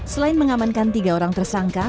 selain mengamankan tiga orang tersangka